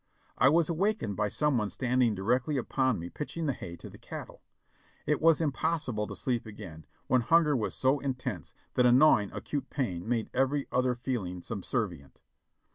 I was awakened by some one standing directly upon me pitching the hay to the cattle. It was impossible to sleep again, when hunger was so intense that a gnawing, acute pain made every other feeling subservient.